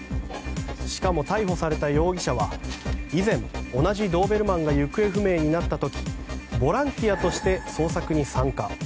しかも逮捕された容疑者は以前、同じドーベルマンが行方不明になった時ボランティアとして捜索に参加。